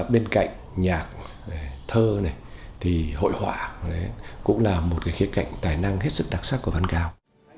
bên cạnh nhạc thơ hội họa cũng là một khía cạnh tài năng hết sức đặc sắc của văn cao